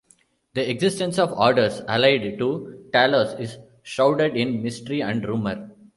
The existence of orders allied to Talos is shrouded in mystery and rumor.